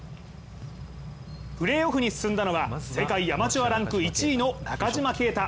プレーオフに進んだのは世界アマチュアランク１位の中島啓太。